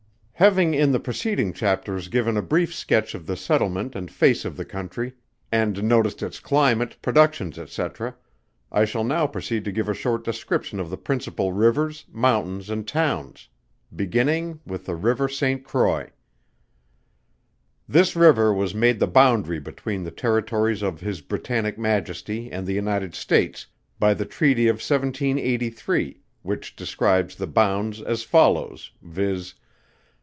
_ Having in the preceding chapters given a brief sketch of the settlement and face of the country, and noticed its climate, productions, &c. I shall now proceed to give a short description of the principal rivers, mountains, and towns, beginning with the RIVER SAINT CROIX. This river was made the boundary between the territories of His Britannic Majesty and the United States, by the treaty of 1783 which describes the bounds as follows, viz.